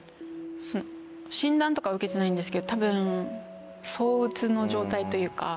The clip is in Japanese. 診断とか受けてないんですけど多分躁鬱の状態というか。